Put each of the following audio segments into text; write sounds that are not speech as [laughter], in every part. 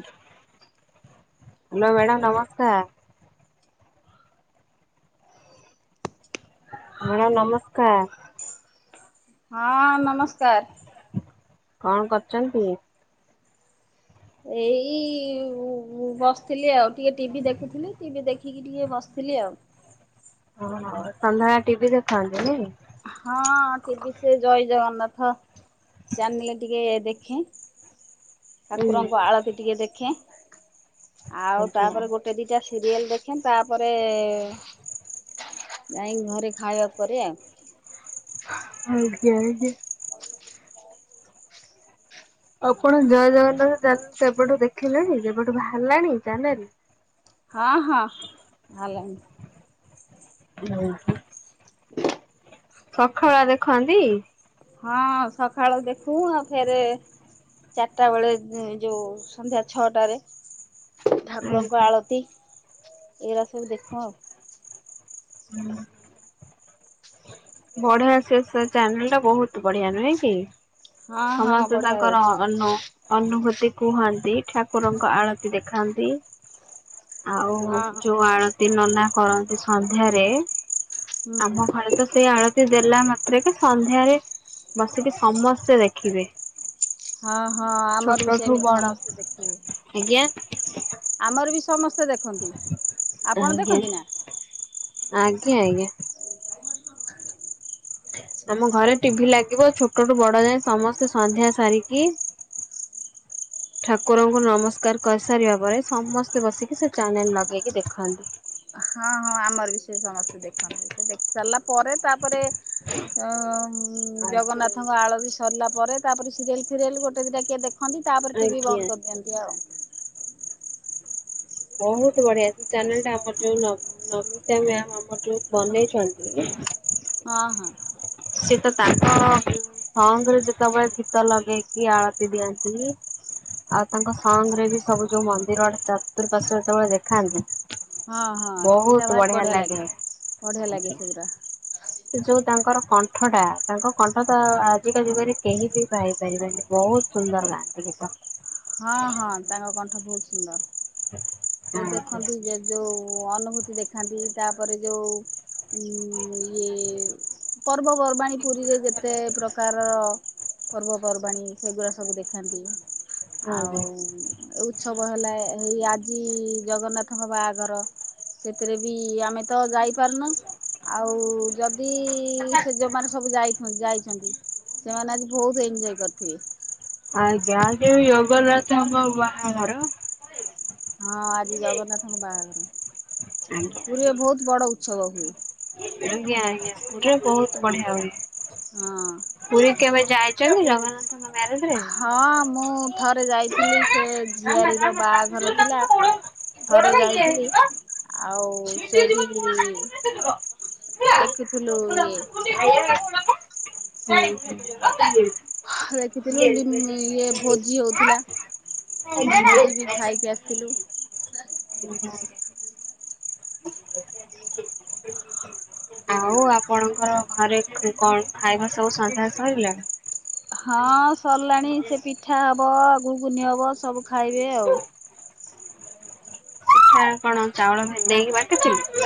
Hello madam ନମସ୍କାର। Madam ନମସ୍କାର। ହଁ ନମସ୍କାର। କଣ କରୁଛନ୍ତି? ଏଇ ବସିଥିଲି ଆଉ ଟିକେ ଟିଭି ଦେଖୁଥିଲି ଟିଭି ଦେଖିକି ଟିକେ ବସିଥିଲି ଆଉ। [inaudible] ଓ ହୋ ସନ୍ଧ୍ୟାବେଳେ ଟିଭି ଦେଖନ୍ତି ନାଇଁ। ହଁ ଟିଭି ସେ ଜୟ ଜଗନ୍ନାଥ ଚାନେଲ ଟିକେ ଦେଖେ। ଠାକୁରଙ୍କ ଆଳତି ଟିକେ ଦେଖେ। ଆଉ ଆଜ୍ଞା ତାପରେ ଗୋଟେ ଦିଟା ସିରିଏଲ ଦେଖ୍ ଦେଖ ତାପରେ ଯାଇଁକି ଘରେ ଖାଇବା ପରେ ଆଉ ଆଜ୍ଞା ଆଜ୍ଞା। ଆପଣ ଜୟ ଜଗନ୍ନାଥ ଏବେଠୁ ଦେଖିଲେଣି ଯେବେଠୁ ବାହାରିଲାଣି ଜେନ ହଁ ହଁ ଆଲାଣିି। ହଁ। ସକାଳ ଦେଖନ୍ତି। ହଁ ସକାଳୁ ଦେଖୁ ଆଉ ଫେରେ ଚାରିଟା ବେଳେ ଯୋଉ ସନ୍ଧ୍ୟା ଛଅଟାରେ। ଠାକୁରଙ୍କ ଆଜ୍ଞା ଆଳତି ଏଇରା ସବୁ ଦେଖ ଆଉ। ହୁଁ। ବଢିଆ ସେ ଷେ ଚ୍ୟାନେଲ ଟା ବହୁତ ବଢିଆ ନୁହେଁ କି? ହଁ ହଁ ସମସ୍ତେ ବଢିଆ ତାଙ୍କର ହଉଛି। ଅନ୍ନ ଅନୁଭୂତି କୁହନ୍ତି ଠାକୁରଙ୍କ ଆଳତି ଦେଖାନ୍ତି। ଆଉ ହଁ ଯୋଉ ଆଳତି ନନା କରନ୍ତି ସନ୍ଧ୍ୟାରେ ହୁଁ ଆମ ଘରେ ତ ସେଇ ଆଳତି ଦେଲା ମାତ୍ରେ କେ ସନ୍ଧ୍ୟାରେ ବସିକି ସମସ୍ତେ ଦେଖିବେ। ହଁ ହଁ ଆମର ବି ଛୋଟଠୁ ସେମିତି ବଡ ସମସ୍ତେ ଦେଖିବେ ଆଜ୍ଞା ଆମର ବି ସମସ୍ତେ ଦେଖନ୍ତି ଆପଣ ଆଜ୍ଞା ଦେଖନ୍ତି ନା? ଆଜ୍ଞା ଆଜ୍ଞା। ଆଛା ତମ ଘରେ ଟିଭି ଲାଗି ବ ଛୋଟ ରୁ ବଡ଼ ଯାଏଁ ସମସ୍ତେ ସନ୍ଧ୍ୟା ସାରିକି [unintelligible] ଠାକୁରଙ୍କୁ ନମସ୍କାର କରିସାରିବା ପରେ ସମସ୍ତେ ବସିକି ସେ ଚ୍ୟାନେଲ ଲଗେଇକି ଦେଖନ୍ତି । ହଁ ହଁ ଆମର ବି ସେ ସମସ୍ତେ ଦେଖନ୍ତି, ସେ ଦେଖି ସାରିଲା ପରେ ତାପରେ ଅ ଆଉ ଆଜ୍ଞା ଜଗନ୍ନାଥଙ୍କ ଆଳତି ସରିଲା ପରେ ତାପରେ ସିରିଏଲ ଫିରିଏଲ୍ ଗୋଟେ ଦିଟା କିଏ ଦେଖନ୍ତି, ତାପରେ ଟିଭି ଆଜ୍ଞା। ବନ୍ଦ କରିଦିଅନ୍ତି ଆଉ । ବହୁତ ବଢ଼ିଆ ସେ ଚ୍ୟାନେଲ ଟା ଆମର ଯୋଉ ନମିତା ମ୍ୟାମ ଆମର ଯୋଉ ବନେଇଛନ୍ତି । ହଁ ହଁ । ସିଏ ତ ତାଙ୍କ ସଙ୍ଗ୍ ରେ ଯେତେବେଳେ ଘୀତ ଲଗେଇକି ଆଳତି ଦିଅନ୍ତି। ଆଉ ତାଙ୍କ ସଙ୍ଗ୍ ରେ ବି ସବୁ ଯୋଉ ମନ୍ଦିରର ଚତୁର୍ପାଶ୍ୱ ଯେତେବେଳେ ଦେଖାନ୍ତି । ହଁ ହଁ ସେଇଟା ଭାରି ବଢ଼ିଆ ଲାଗେ, ବଢିଆ ଲାଗେ ସେଇଗୁରା। ସେ ଯୋଉ ତାଙ୍କର । କଣ୍ଠ ଟା ତାଙ୍କ କଣ୍ଠ ତ ଆଜିକା ଯୁଗରେ କେହି ବି ପାଇପାରିବେନି ବହୁତ ସୁନ୍ଦର ଗାଆନ୍ତି ଗୀତ । ହଁ ହଁ ତାଙ୍କ କଣ୍ଠ ବହୁତ୍ ସୁନ୍ଦର୍, ସେ ଆଜ୍ଞା ଦେଖନ୍ତି ଯେ ଯୋଉ ଅ- ଅନୁଭୂତି ଦେଖାନ୍ତି ତାପରେ ଯୋଉ ଉଁ ଇଏ ପର୍ବପର୍ବାଣିୀ ପୁରୀରେ ଯେତେ ପ୍ରକାରର ପର୍ବପର୍ବାଣିୀ ସେଗୁଡ଼ା ସବୁ ଦେଖାନ୍ତି ଆଉ ଆଜ୍ଞା। ଏଉ ଉତ୍ସବ ହେଲା ହେଇ ଆଜି ଜଗନ୍ନାଥଙ୍କ ବାହାଘର । ସେଥିରେ ବି ଆମେ ତ ଯାଇପାରୁନୁ ଆଉ ଯଦି ଯଦି ସେ ଜଉମାରେ ସବୁ ଯାଇ ଯାଇଛନ୍ତି ସେମାନେ ଆଜି ବହୁତ ଏଞ୍ଜୟ କରିଥିବେ । ଆଞା ଆ ଯୋଉ ଜଗନ୍ନାଥଙ୍କ ବାହାଘର । ହଁ ଆଜି ଜଗନ୍ନାଥଙ୍କ ବାହାଘର, ପୁରୀରେ ବହୁତ୍ ବଡ଼ ଉତ୍ସବ ହୁଏ । ଆଜ୍ଞା ଆଜ୍ଞା ପୁରୀରେ ବହୁତ ବଢ଼ିଆ ହୁଏ । ହଁ। ଯାଇଛନ୍ତି ଜଗନ୍ନାଥ ହଁ ମୁଁ ଥରେ ଯାଇଥିଲି ସେ ଝିଆରୀର ବାହାଘର ଥିଲା । ଥରେ ଯାଇଥିଲି ଆଉ ଆଉ ସେଇଠିକି ଦେଖିଥିଲୁ ଇଏ ହୁଁ ହୁଁ ଦେଖିଥିଲୁ [unintelligible] ଇଏ ଭୋଜି ହଉଥିଲା ଗ ଭୋଜି ବି ହାଁ ଖାଇକି ଆସିଥିଲୁ। । [unintelligible] [unintelligible] ହ ହଁ । ଆଉ ଆପଣଙ୍କର ଘରେ କଣ ଖାଇବା ସବୁ ସନ୍ଧ୍ୟା ସରିଲା? ହଁ ସରିଲାଣି ସେ ପିଠା ହବ ଆଉ ଘୁଗୁନି ହବ ସବୁ ଖାଇବେ ଆଉ । ହଁ କଣ ଚାଉଳ ଦେଇକରି ବାଟିବେ?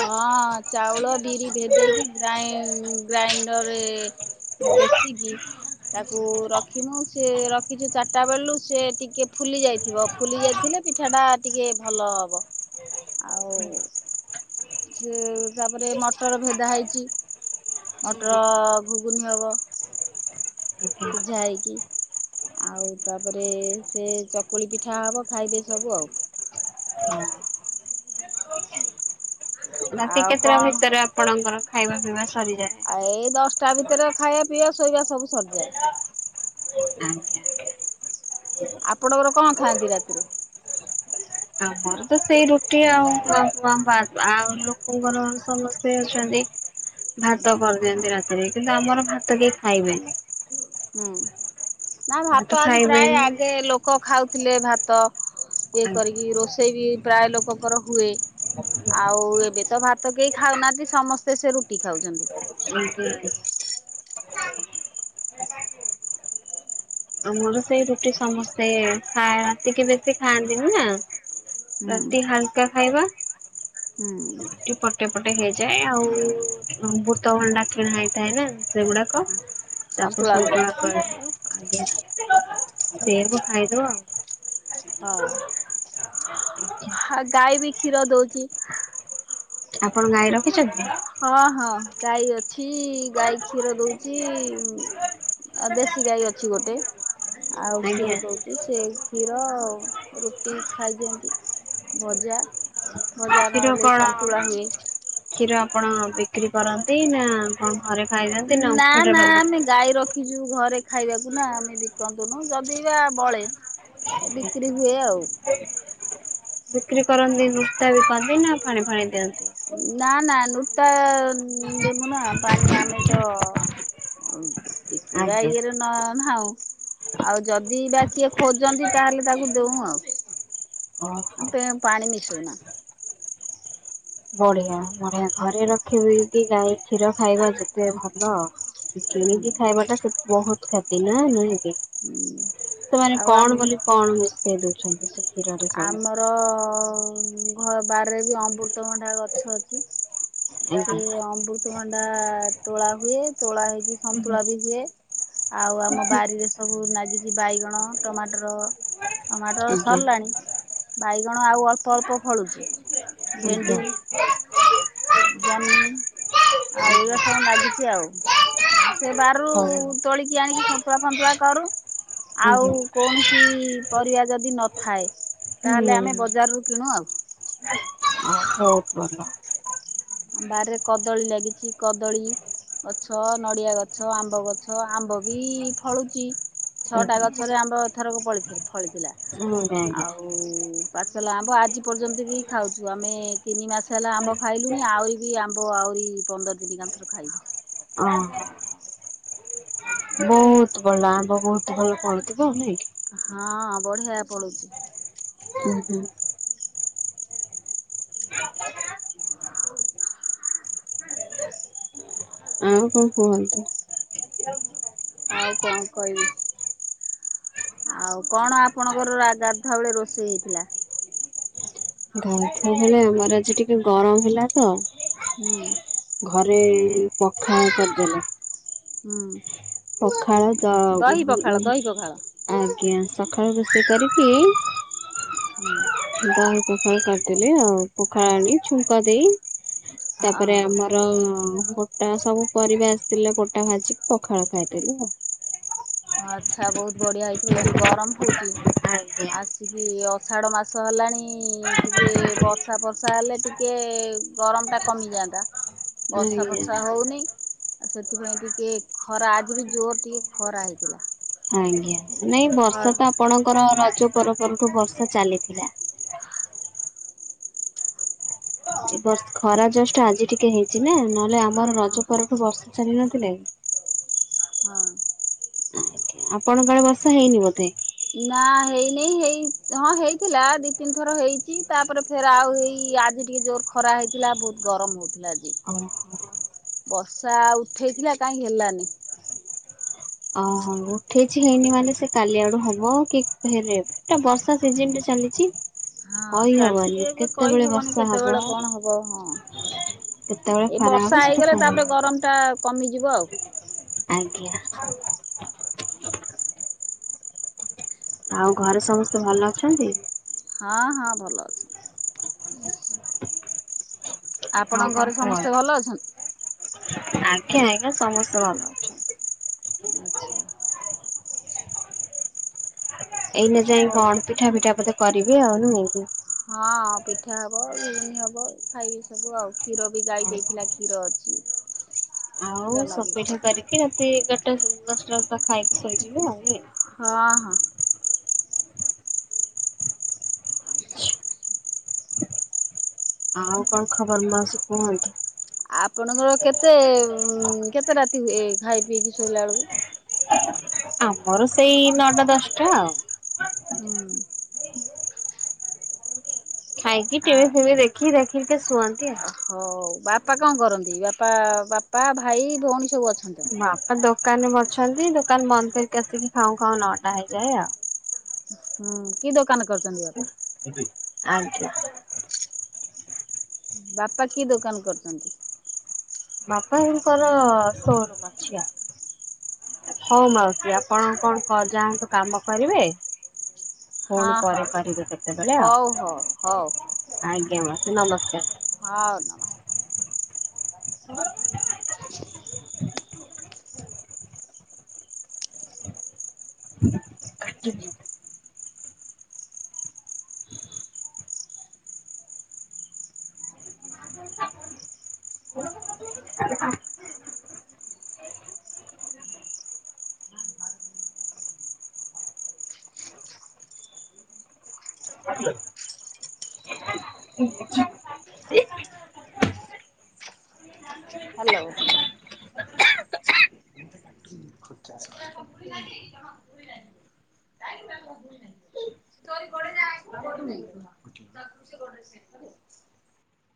ହଁ ଚାଉଳ ବିରି ଭେଦେଇକି ଗ୍ରଇଂ ଗ୍ରାଇଣ୍ଡରରେ ପେଷିକି ତାକୁ ରଖିବୁ । ସେ ରଖିଛୁ ଚାରିଟା ବେଳରୁ ସେ ଟିକିଏ ଫୁଲି ଯାଇଥିବ ଫୁଲି ଯାଇଥିଲେ ପିଠାଟା ଟିକେ ଭଲ ହେବ ଆଉ ସେ ତାପରେ ମଟର ଭାଇଦା ହେଇଛି । ମୋଟର ଘୁଗୁନି ହବ । ସିଝା ହେଇକି ଆଉ ତାପରେ ସେ ଚକୁଳି ପିଠା ହବ ଖାଇବେ ସବୁ ଆଉ । ହୁଁ । ରାତି ଆଉ କେତେଟା ଭିତରେ ଆପଣଙ୍କର ଖାଇବା ପିଇବା? ସରିଯାଏ? ଆଏ ଏଇ ଦଶଟା ଭିତରେ ଖାଇବା ପିଇବା ଶୋଇବା ସବୁ ସରିଯାଏ । ଆଜ୍ଞା। ଆପଣଙ୍କର କଣ ଖାଆନ୍ତି ରାତିରେ? ଘୋର ତ ସେଇ ରୁଟି ଆଉ ବା ଆଉ ଲୋକଙ୍କର ସମସ୍ତେ ଅଛନ୍ତି ଭାତ କରିଦିଅନ୍ତି ରାତିରେ କିନ୍ତୁ ଆମର ଭାତ କେହି ଖାଇବେନି। ହୁଁ ନା ଭାତ ଆଜି ପ୍ରାୟ ଆଗେ ଲୋକ ଖାଉଥିଲେ ଭାତ ଇଏ ଆଜ୍ଞା। କରିକି ରୋଷେଇ ବି ପ୍ରାୟ ଲୋକଙ୍କର ହୁଏ ଆଉ ଏବେ ତ ଭାତ ହାତ କେହି ଖାଉନାହାନ୍ତି ସମସ୍ତେ ସେ ରୁଟି ଖାଉଛନ୍ତି। [unintelligible] [inaudible] ଆମୋର ସେଇ ରୁଟି ସମସ୍ତେ ଖା ରାତିକ ବେଶୀ ଖାଆନ୍ତିନି ନା ହୁଁ ରାତି ହାଲକା ଖାଇବା। ହୁଁ ଟିପଟ ଟେ ଏପଟେ ହେଇଯାଏ ଆଉ ବୃତଭଣ୍ଡା କିଣା ହେଇଥାଏ ନା ସେଗୁଡାକ ତାକୁ ସନ୍ତୁଳା ହୁଏ ସଟଳକ ଆଜ୍ଞା ସେରବ ଖାଇଦବା ଆଉ। ହଁ। [inaudible] ଆ ଗାଈ ବି କ୍ଷୀର ଦଉଛି। ଆପଣ ଗାଈ ରଖିଛନ୍ତି? ହଁ ହଁ ଗାଇ ଅଛି। ଏଠ ଗାଈ କ୍ଷୀର ଦଉଛି ଆ ଦେଶୀ ଗାଈ ଅଛି ଗୋଟେ। ଆଉ ଆଜ୍ଞା କ୍ଷୀର ଦଉଛି ସେ କ୍ଷୀର ଉ ରୁଟି ଖାଇଦିଅନ୍ତି ଭଜା ଭଜା କ୍ଷୀର ନହେଲେ କଣ ସନ୍ତୁଳା ହୁଏ। କ୍ଷୀର ଆପଣ ବିକ୍ରି କରନ୍ତି ନା ଆପଣ ଘରେ ଖାଇଯାଆନ୍ତି ନା ଓମ୍ଫେଡ ନା ବାଲା ଆମେ ଗାଈ ରଖିଛୁ ଘରେ। ଖାଇବାକୁ ନା ଆମେ ବିକନ୍ତୁନୁ ଯଦି ବା ବଳେ ବିକ୍ରି ହୁଏ ଆଉ। ବିକ୍ରି କରନ୍ତି ନୁସ୍ତା ବି ପାନ୍ତି ନା ଫାଣି ଫାଣି ଦିଅନ୍ତି। ନା ନା ନୁଟା ଦେମୁ ନା ପାଣି ଆମେ ତ ଟିକିରା ଆଜ୍ଞା ଇଏରେ ନ ନାଉ ଆଉ ଯଦି ବା କିଏ ଖୋଜନ୍ତି ତାହେଲେ ତାକୁ ଦଉ ଆଉ। ଓହୋ। ଆମପେ ପାଣିମ ମିସୁନା। ବଢିଆ ବଢିଆ ଘରେ ରଖିବି କି ଗାଈ କ୍ଷୀର ଖାଇବା ଯେତେ ଭଲ ହୁଁ। ଟିକେଇ କି ଖାଇବାଟା ସେ ବହୁତ କ୍ଷତି ନା ନେଇକି? ହୁଁ ସେମାନେ ଆଉ ଆମ କ'ଣ ବୋଲି କ'ଣ ମିଶେଇ ଦଉଛନ୍ତି ସେ କ୍ଷୀରରେ ସବୁ ଆମରଅଅଅ ଉମ ଘ ବାରରେ ବି ଅମୃତଭଣ୍ଡା ଗଛ ଅଛି, ସେ ଆଜ୍ଞା। ଅମୃତଭଣ୍ଡା ତୋଳା ହୁଏ, ତୋଳା ହେଇକି ସନ୍ତୁଳା ବି ହୁଏ । ଆଉ ଆମ ବାରିରେ ସବୁ ନାଗି ବାଇଗଣ, ଟମାଟର, ଟମାଟର ଆଜ୍ଞା। ସରିଲାଣି । ବାଇଗଣ ଆଉ ଅଳ୍ପ ଅଳ୍ପ ଫଳୁଛି । ଆଜ୍ଞା। ଭେଣ୍ଡି, ଆଜ୍ଞା। ଜହ୍ନି ଆଉ ଏଇଗା ସବୁ ଲାଗିଛି ଆଉ । ସେ ବାରରୁ ହଉ ଆଜ୍ଞା ତୋଳିକି ଆଣିକି ସନ୍ତୁଆ ଫନ୍ତୁଳା କରୁ, ହୁଁ ଆଉ କୌଣସି ପରିବା ଯଦି ନଥାଏ, ତାହେଲେ ଆମେ ବଜାରରୁ କିଣୁ ଆଉ । ହଉ, ଭଲ । ବାରିରେ କଦଳୀ ଲାଗିଛି, କଦଳୀ ଗଛ, ନଡିଆ ଗଛ ଆମ୍ବ ଗଛ । ତ ଆମ୍ବ ବି ଫଳୁଛି, ଆଜ୍ଞା ଛଅଟା ଗଛରେ ଆଜ୍ଞା। ଆମ୍ବ ଏଥରକୁ ଫଳିଥି ଫଳିଥିଲା । ଆଉ ପାଚଲା ଆମ୍ବ ଆଜି ପର୍ଯ୍ୟନ୍ତ ବି ଖାଉଛୁ । ଆମେ ତିନି ମାସ ହେଲା ଆମ୍ବ ଖାଇଲୁ । ଇଏ ଆମ୍ବ ଆହୁରି ପନ୍ଦର ଦିନିକା ଥର ଖାଇବୁ । ହଁ, ବହୁତ ଭଲ ଆମ୍ବ, ବହୁତ ଭଲ ଫଳୁଥିବ ନାଇକି? ହାଁ, ବଢ଼ିଆ ଫଳୁଛି । ହୁଁ ହୁଁ ଆ ଆଉ କ'ଣ କୁହନ୍ତୁ? ଆଉ କ'ଣ କହିବି। ଆଉ କଣ ଆପଣଙ୍କର ଆଠଟା ବେଳେ ରୋଷେଇ ହେଇଥିଲା? ଗାଧୁଆ ବେଳେ ଆମର ଆଜି ଟିକେ ଗରମ ହେଲା ତ ହୁଁ ଘରେ ପଖାଳ କରିଦେଲେ। ହୁଁ ପଖାଳ ତ ଉଁ ଦହି ଉଁ ପଖାଳ ଉଁ ଦହି ପଖାଳ। ଆଜ୍ଞା। ସଖାଳୁ ରୋଷେଇ କରିକି [unintelligible] ଦହି ପଖାଳ କରିଦେଲି ଆଉ ପୋଖାଳ ଆଣି ଛୁଙ୍କ ଦେଇ। ହଁ ତା'ପରେ ହଁ ଆମର ଅଅ ବୋଟା ସବୁ ପରିବା ଆସିଥିଲା ବୋଟା ଭାଜିି ପଖାଳ ଖାଇଦେଲୁ ଆଉ । ଆଚ୍ଛା, ବହୁତ ବଢ଼ିଆ ହେଇଥିବ, ଏଇ ଯୋଉ ଗରମ ହଉଛି ଆଜ୍ଞା। ଆସିକି ଇ ଆଷାଢ ମାସ ହେଲାଣି ଇ ଟିକେ ବର୍ଷା ଫର୍ଷା ହେଲେ ଟିକେ ଗରମ ଟା କମିଯାଆନ୍ତା। ବର୍ଷା ଆଜ୍ଞା। ଫର୍ଷା ହଉନି। ଆଉ ସେଥିପାଇଁ ଟିକେ ଖରା ଆଜି ବି ଜୋର ଟିକେ ଖରା ହେଇଥିଲା। ଆଜ୍ଞା, ନାଇଁ ଖ ବର୍ଷା ତ ଆପଣଙ୍କର ରଜ ପର ପରଠୁ ବର୍ଷା ଚାଲିଥିଲା। ଏ ବର୍ଷ ଖରା ଜଷ୍ଟ ଆଜି ଟିକେ ହେଇଛି ନା, ନହେଲେ ଆମର ରଜ ପରଠୁ ବର୍ଷା ଚାଲି ନଥିଲେ? ହଁ ଆଜ୍ଞା, ଆପଣଙ୍କ କାଳେ ବର୍ଷା ହେଇନି ବୋଧେ? ନା ହେଇନି, ହେଇ ହଁ ହେଇଥିଲା ଦି ତିନି ଥର ହେଇଛି ତାପରେ ଫେର ଆଉ ହେଇ ଏ ଆଜି ଟିକେ ଜୋରେ ଖରା ହେଇଥିଲା ବହୁତ ଗରମ ହଉ ଅହୋ ବର୍ଷା ଉଠେଇଥିଲା କାହିଁ ହେଲାନି। ଓହୋ, ଉଠେଇଛି ହେଇନି ମାନେ ସେ କାଲି ଆଡୁ ହବ କି ଫେର ବର୍ଷା ସିଜନରେ ଚାଲିଛି ହଁ କହିହବନି ଚାଲିଛି ଏବେ କେତେବେଳେ କହିହବନି ବର୍ଷା ହବ କେତେବେଳେ କ'ଣ ହବ ହଁ। କେତେବେଳେ ଏ ଖରା ହବ ବର୍ଷା ସେଟା ହେଇଗଲେ କହିହବ। ତାପରେ ଗରମଟା କମିଯିବ ଆଉ । ଆଜ୍ଞା । ଆଉ ଘରେ ସମସ୍ତେ ଭଲ ଅଛନ୍ତି। ହଁ ହଁ ଭଲ ଅଛି। [inaudible] ଆଉ ଆପଣଙ୍କ କଣ ଘରେ କୁହ ସମସ୍ତେ ଭଲ ଅଛନ୍ତି [unintelligible] ଆଜ୍ଞା, ଆଜ୍ଞା, ସମସ୍ତେ ଭଲ ଅଛନ୍ତି। ଆଚ୍ଛା ଏଇ ନ ଯାଇ ହଉ। କଣ ପିଠା, ଫିଠା ବୋଧେ କରିଵେ ଆଉ ନୁହକି ହଁ ପିଠା ହବ, ଘୁଗୁନି ହବ, ଖାଇବି ସବୁ ଆଉ, କ୍ଷୀର ବି ଦେଇଥିଲା ଗାଇ ଦେଇଥିଲା କ୍ଷୀର ଅଛି। ଆଉ କ୍ଷୀର ନଗେଇ ସବୁ ପିଠା ଖାଇବେ କରିକି, ରାତି ଏଗାରଟା ଦଶଟା ବ ଖାଇକି ଶୋଇଯିବେ ଆଉ ହଁ ହଁ ଆଉ କଣ ଖବର ମାଉସୀ କୁହନ୍ତୁ? ଆପଣଙ୍କର କେତେ କେତେ ରାତି ହୁଏ? ଖାଇ ପିଇକି ଶୋଇଲା ବେଳକୁ ଆମର ସେଇ ନଅଟା ଦଶଟା ଆଉ ହଁ ଖାଇକି ଆ ଟିଭି ଫିଭି ଦେଖିକି, ଦେଖିକି ଶୁଅନ୍ତି। ଆଉ। ହଉ, ବାପା କଣ କରନ୍ତି? ବାପା, ବାପା ଭାଇ ଭଉଣୀ ସବୁ ଅଛନ୍ତି? ବାପା ଦୋ ଦୋକାନରେ ଅଛନ୍ତି, ଦୋକାନ ବନ୍ଦ କରିକି ଆସିକି ଖାଉ ଖାଉ ନଟା ହେଇଯାଏ ଆଉ ହୁଁ, କି ଦୋକାନ କରୁଛନ୍ତି ବାପା ଆଜ୍ଞା ବାପା କି ଦୋକାନ କରିଚନ୍ତି? ବାପାଙ୍କର ସୋରୁମ୍ ଅଛି ଆଉ ହଉ ମାଉସୀ, ଆପଣ କଣ ଯାଆନ୍ତୁ କାମ କରିବେ ? ହଁ ପୁଣି ପରେ ହଁ କରିବେ କେତେବେଳେ ହଉ ଆଉ, ହଉ ହଉ ହଉ ଆଜ୍ଞା ମାଉସୀ, ନମସ୍କାର । ହଉ [unintelligible] ମୁ [unintelligible] କାଟୁଚି [unintelligible] ହ [unintelligible] ହଁ [unintelligible] [unintelligible] [unintelligible] ହାଲୋ [unintelligible] [inaudible] [unintelligible]